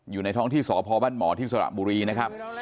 อยู่ในท้องที่สพบ้านหมอที่สระบุรีนะครับ